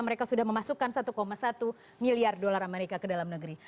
mereka sudah memasukkan satu satu miliar dolar amerika ke dalam negeri